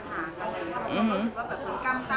อเรนนี่มีหลังไม้ไม่มี